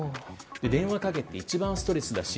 電話かけって一番ストレスだし